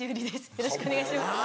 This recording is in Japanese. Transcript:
よろしくお願いします。